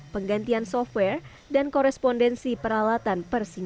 penggantian software dan korespondensi peralatan persija